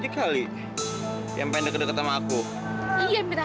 pak ini mama pak ya allah pak mama kenapa